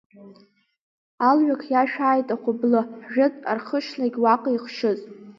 Алҩақ иашәааит ахәыблы, ҳжәытә архышьнагь уаҟа ихшьыз.